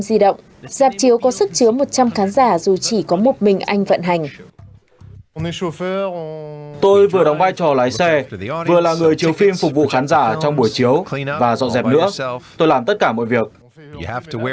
gia đình của chúng tôi đã làm tất cả mọi việc